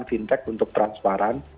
fintech untuk transparan